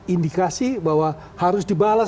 indikasi bahwa harus dibalas